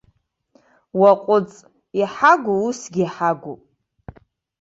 Уаҟәыҵ, иҳагу усгьы иҳагуп.